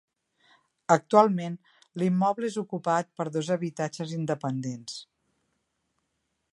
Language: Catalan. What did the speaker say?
Actualment l'immoble és ocupat per dos habitatges independents.